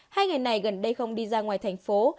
hai ngày này gần đây không đi ra ngoài thành phố